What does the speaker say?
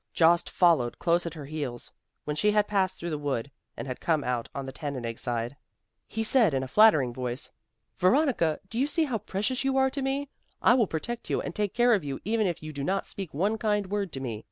Jost followed close at her heels. When she had passed through the wood, and had come out on the Tannenegg side, he said, in a flattering voice, "Veronica, do you see how precious you are to me? I will protect you and take care of you even if you do not speak one kind word to me.